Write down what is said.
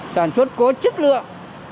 sản xuất có chất lượng